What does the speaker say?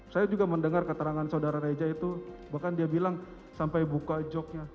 saya juga mendengar keterangan saudara reja itu bahkan dia bilang sampai buka joknya